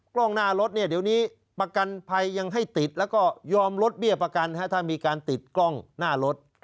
กล้องหน้ารถเนี่ยเดี๋ยวนี้ประกันภัยยังให้ติดแล้วก็ยอมลดเบี้ยประกันถ้ามีการติดกล้องหน้ารถ